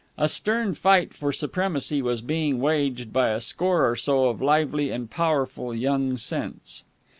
A stern fight for supremacy was being waged by a score or so of lively and powerful young scents.